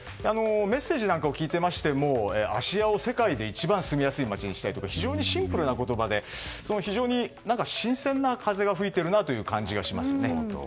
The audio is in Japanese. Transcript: メッセージなんかを聞いていても芦屋を一番住みやすい街にしたいとか非常にシンプルな言葉で非常に新鮮な風が吹いているなという感じがしますよね。